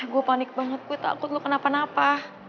gue panik banget gue takut lo kena apa apa